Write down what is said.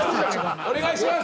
お願いします